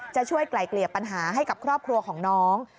จะช่วยไกลเกลี่ยปัญหาให้กับครอบครัวของน้อง